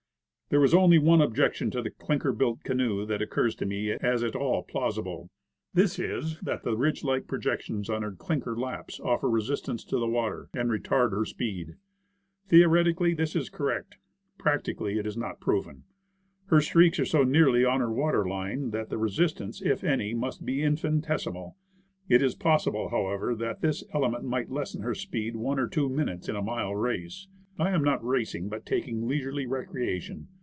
There is only one objection to the clinker built canoe that occurs to me as at all plausible. This is, that the ridge like projections of her, clinker laps offer resistance to the water, and retard her speed. Theoretically, this is correct. Practically, it is not proven. Her streaks are so nearly on her water line that the resistance, if any, must be infinitesimal. It is possible, however, that this element might lessen her speed one or two minutes in a mile race. I am not racing, but taking leisurely recreation.